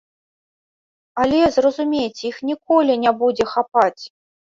Але, зразумейце, іх ніколі не будзе хапаць!